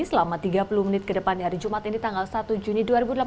selama tiga puluh menit ke depan di hari jumat ini tanggal satu juni dua ribu delapan belas